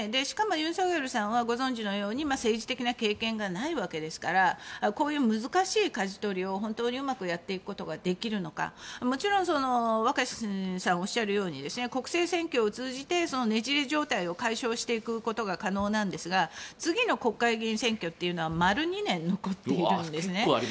しかも、ユン・ソクヨルさんはご存じのように政治的な経験がないわけですからこういう難しいかじ取りをうまくやっていくことができるのか。もちろん若新さんがおっしゃるように国政選挙を通じてねじれ状態を解消していくことが可能なんですが次の国会議員選挙まで丸２年残っているんです。